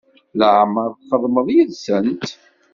Laɛmeṛ i txedmeḍ yid-sent?